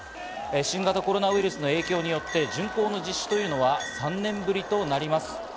新型コロナウイルスの影響によって巡行の実施というのは３年ぶりとなります。